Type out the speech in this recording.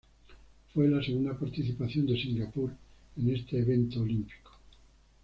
Fue la segunda participación de Singapur en este evento olímpico.